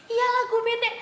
iya lah gue betek